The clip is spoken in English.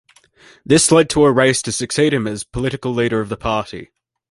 This led to a race to succeed him as Political Leader of the party.